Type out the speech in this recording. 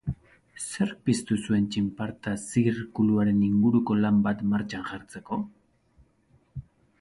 Zerk piztu zuen txinparta zirkuluaren inguruko lan bat martxan jartzeko?